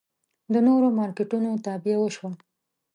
د نورو مارکېټونو تابیا وشوه.